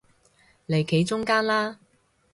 嚟企中間啦